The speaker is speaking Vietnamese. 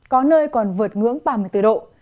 có nơi còn vượt ngưỡng ba mươi bốn độ